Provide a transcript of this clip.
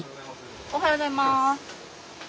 おはようございます。